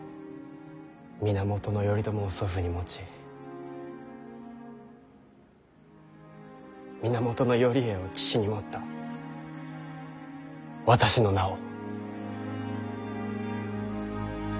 源頼朝を祖父に持ち源頼家を父に持った私の名を。